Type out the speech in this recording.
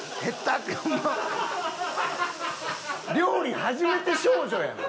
料理初めて少女やん！